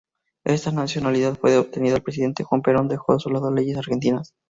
Esta nacionalidad fue obtenida cuando el Presidente Juan Perón dejó de lado leyes argentinas.